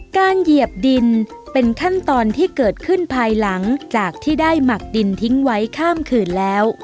เหยียบดินเป็นขั้นตอนที่เกิดขึ้นภายหลังจากที่ได้หมักดินทิ้งไว้ข้ามคืนแล้ว